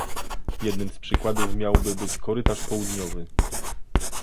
Jednym z przykładów miałby być korytarz południowy